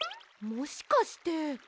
もしかして。